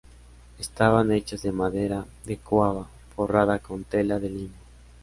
Estaban hechas de madera de caoba forrada con tela de lino.